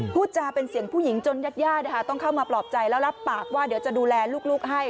พูดจาเป็นเสียงผู้หญิงจนญาติญาติต้องเข้ามาปลอบใจแล้วรับปากว่าเดี๋ยวจะดูแลลูกให้